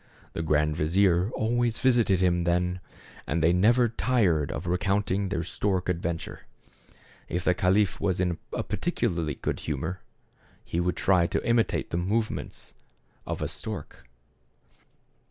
The grand vizier always visited him then, and they never tired of recounting their stork adventure. If the caliph was in a particularly good humor, he would try to imitate the movements of a stork.